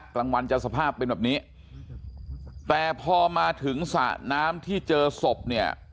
กลางวันจะสภาพเป็นแบบนี้แต่พอมาถึงสระน้ำที่เจอศพเนี่ย